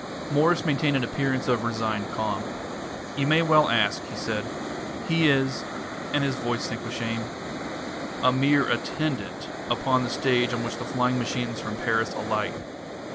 Mwres maintained an appearance of resigned calm. "You may well ask," he said. "He is" and his voice sank with shame "a mere attendant upon the stage on which the flying machines from Paris alight.